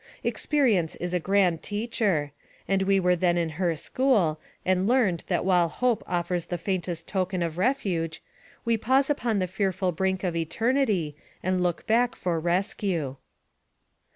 Experience is a grand teacher, and we were then in her school, and learned that while hope offers the AMONG THE SIOUX INDIANS. 43 faintest token of refuge, we pause upon the fearful brink of eternity, and look back for rescue.